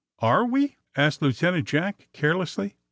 ^^Are we!" asked Lieutenant Jack carelessly.